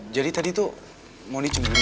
jadi tadi tuh mondi cemburu ya